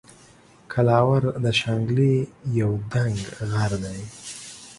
قلاور د شانګلې یو دنګ غر دے